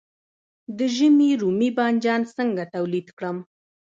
د ژمي رومي بانجان څنګه تولید کړم؟